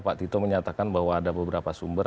pak tito menyatakan bahwa ada beberapa sumber